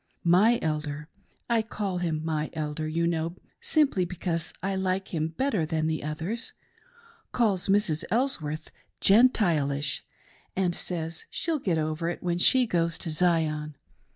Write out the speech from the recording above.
My Elder — I call him my elder, you know, simply because I like him better than the others — calls Mrs. Elsworth ' Gentilish,' and says she'll get over when she goes to Zion.